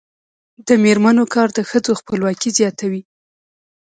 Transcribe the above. د میرمنو کار د ښځو خپلواکي زیاتوي.